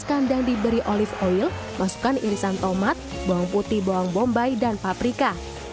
setelah patel dipanaskan dan diberi olive oil masukkan irisan tomat bawang putih bawang bombay dan paprika